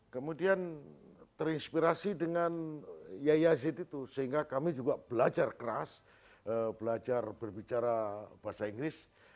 kemudian terinspirasi dengan yayazid itu sehingga kami juga belajar keras belajar berbicara bahasa inggris